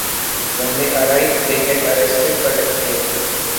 When they arrive, they get arrested, but escape.